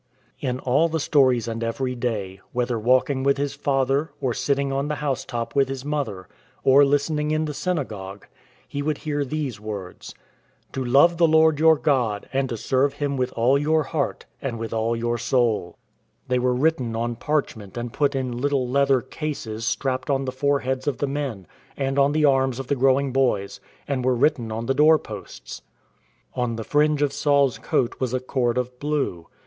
In all the stories and every day, whether walking with his father, or sitting on the house top with his mother, or listening in the synagogue, he would hear these words, " To love the Lord your God And to serve Him with all your heart, And with all your soul." THE LOOM OF THE TENT MAKER 35 They were written on parchment and put in little leather cases strapped on the foreheads of the men, and on the arms of the growing boys, and were writ ten on the door posts. On the fringe of Saul's coat was a cord of blue.